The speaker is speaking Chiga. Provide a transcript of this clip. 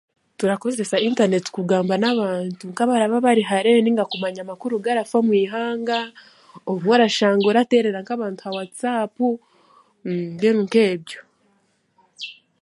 Turakozesa intaneti kugamba n'abaantu nk'abaraaba barihare ninga kumanya amakuru agarafa omw'eihanga, obumwe orashanga oraterera nk'abaantu aha whatsapp, mbwenu nk'ebyo.